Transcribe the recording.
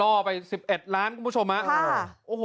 ล่อไป๑๑ล้านบาท